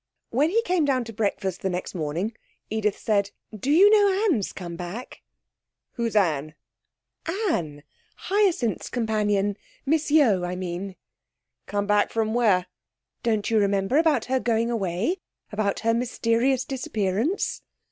When he came down to breakfast the next morning, Edith said 'Do you know Anne's come back?' 'Who's Anne?' 'Anne. Hyacinth's companion. Miss Yeo, I mean.' 'Come back from where?' 'Don't you remember about her going away about her mysterious disappearance?'